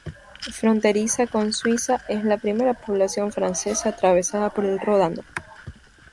Fronteriza con Suiza, es la primera población francesa atravesada por el Ródano.